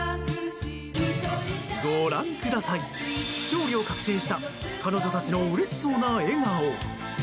ご覧ください、勝利を確信した彼女たちのうれしそうな笑顔。